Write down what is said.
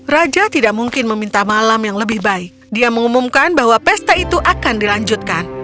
raja tidak mungkin meminta malam yang lebih baik dia mengumumkan bahwa pesta itu akan dilanjutkan